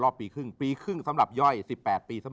โหลดแล้วคุณราคาโหลดแล้วยัง